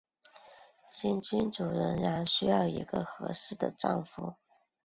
新君主仍然需要一个合适的丈夫。